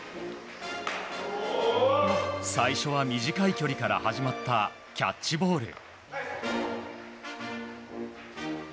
最初は短い距離から始まったキャッチボール。